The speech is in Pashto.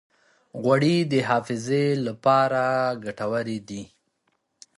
غوړې د حافظې لپاره ګټورې دي.